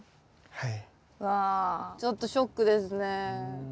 はい。